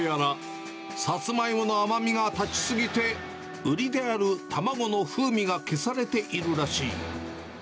どうやらさつまいもの甘みが立ちすぎて、売りである卵の風味が消されているらしい。